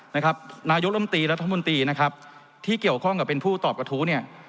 นายกรรมตรีรัฐมนตรีที่เกี่ยวข้องกับเป็นผู้ตอบกระทู้